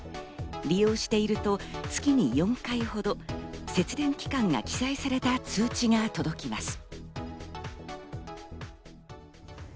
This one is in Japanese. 利用していると月に４回ほど節電期間が記載された通知が届きます。